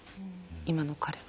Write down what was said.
今の彼が。